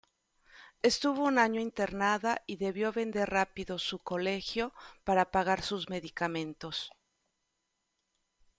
Estuvo un año internada y debió vender rápido su colegio para pagar sus medicamentos.